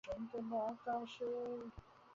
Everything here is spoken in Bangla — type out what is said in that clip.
তা হলে চলো, আমাকে স্টেশনে পৌঁছে দেবে।